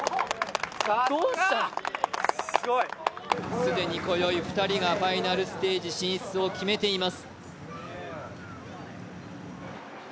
既にこよい２人がファイナルステージ進出を決めています。